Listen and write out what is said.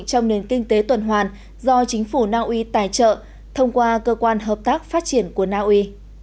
trong nền kinh tế tuần hoàn do chính phủ naui tài trợ thông qua cơ quan hợp tác phát triển của naui